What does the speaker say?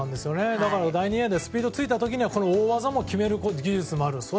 だから第２エアでスピードがついた時にはこの大技も決める技術もある。